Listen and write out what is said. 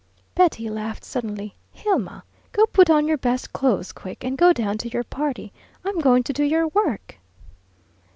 Betty laughed suddenly. "Hilma, go put on your best clothes, quick, and go down to your party. I'm going to do your work."